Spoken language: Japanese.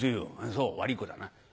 「そう悪い子だな。